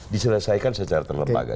diselesaikan secara terlembaga